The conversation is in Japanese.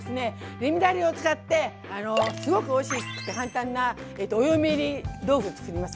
レミだれを使ってすごくおいしくて簡単な「お嫁いり豆腐」作ります。